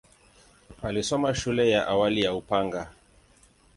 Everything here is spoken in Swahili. Alisoma shule ya awali ya Upanga.